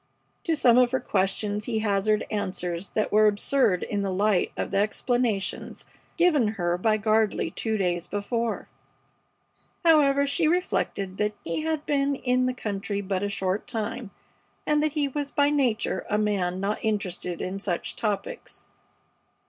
To some of her questions he hazarded answers that were absurd in the light of the explanations given her by Gardley two days before. However, she reflected that he had been in the country but a short time, and that he was by nature a man not interested in such topics.